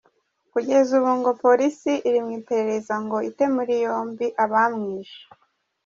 Kugeza ubu ngo polisi iri mu iperereza ngo ite muri yombi abamwishe.